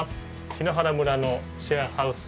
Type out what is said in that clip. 檜原村のシェアハウス